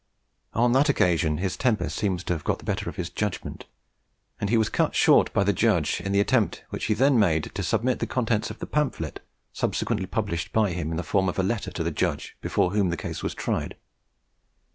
On that occasion his temper seems to have got the better of his judgment, and he was cut short by the judge in the attempt which he then made to submit the contents of the pamphlet subsequently published by him in the form of a letter to the judge before whom the case was tried.